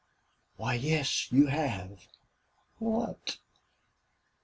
"Why, yes, you have." "What?"